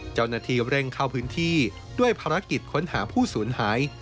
เจ้าหน้าที่เร่งเข้าพื้นที่ด้วยภารกิจค้นหาผู้สูญหาย